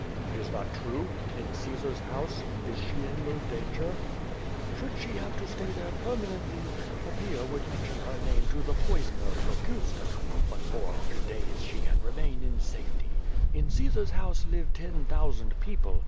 "Is that true? In Caesar's house? Is she in no danger?" "Should she have to stay there permanently, Poppaeo would mention her name to the poisoner, Locusta, but for a few days she can remain in safety. In Caesar^s house live ten thousand people.